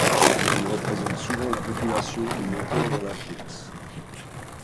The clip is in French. Il représente souvent la population ou l'auteur dans la pièce.